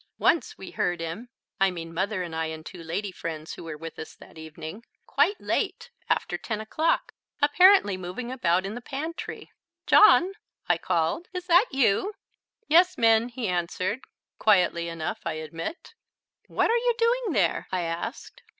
Once we heard him I mean Mother and I and two lady friends who were with us that evening quite late (after ten o'clock) apparently moving about in the pantry. "John," I called, "is that you?" "Yes, Minn," he answered, quietly enough, I admit. "What are you doing there?" I asked.